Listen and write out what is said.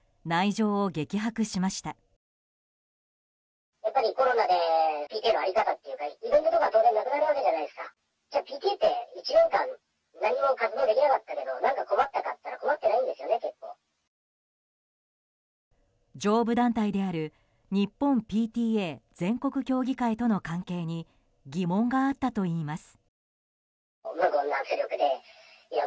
上部団体である日本ＰＴＡ全国協議会との関係に疑問があったといいます。